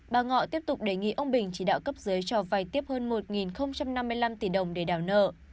bà ngọ tiếp tục đề nghị ông bình chỉ đạo cấp dưới cho vai tiếp hơn một năm mươi năm tỷ đồng để đảo nợ